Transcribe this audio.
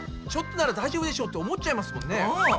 ちょっとなら大丈夫でしょって思っちゃいますもんね。